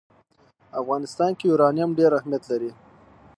په افغانستان کې یورانیم ډېر اهمیت لري.